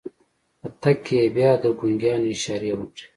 په تګ کې يې بيا د ګونګيانو اشارې وکړې.